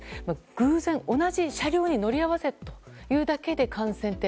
偶然、同じ車両に乗り合わせるというだけで感染って。